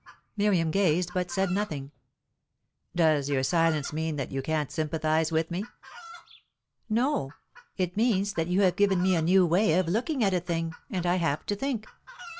Miriam gazed, but said nothing. "Does your silence mean that you can't sympathize with me?" "No. It means that you have given me a new way of looking at a thing; and I have to think."